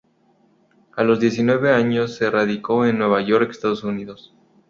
A los diecinueve años se radicó en Nueva York, Estados Unidos.